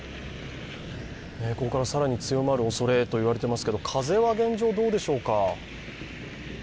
ここから更に強まるおそれと言われていますけど風は現状、どうでしょうか？